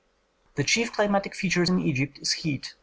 The chief climatic feature in Egypt is heat.